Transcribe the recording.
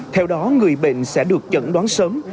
theo đó người bệnh sẽ được chẩn đoán sớm